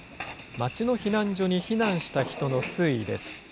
町の避難所に避難した人の推移です。